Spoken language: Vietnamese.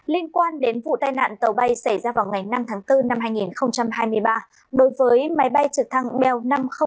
liên quan đến vụ tai nạn tàu bay xảy ra vào ngày năm tháng bốn năm hai nghìn hai mươi ba đối với máy bay trực thăng bel năm trăm linh